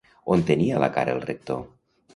On tenia la cara el rector?